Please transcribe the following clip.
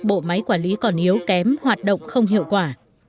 bộ máy quản lý còn yếu kém hoạt động không hiệu quả